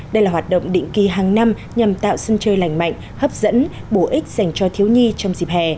đây là hoạt động định kỳ hàng năm nhằm tạo sân chơi lành mạnh hấp dẫn bổ ích dành cho thiếu nhi trong dịp hè